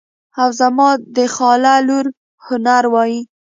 او زما د خاله لور هنر وایي.